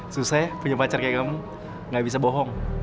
susah ya punya pacar kayak kamu gak bisa bohong